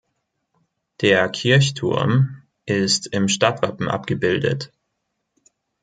Der Kirchturm ist im Stadtwappen abgebildet.